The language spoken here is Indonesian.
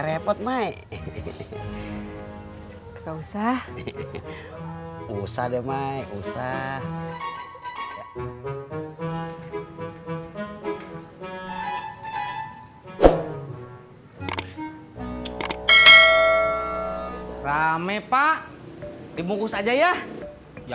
tapi udah buat beli bubur bang